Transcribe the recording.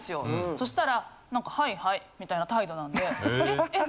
そしたらはいはいみたいな態度なんで「え？え？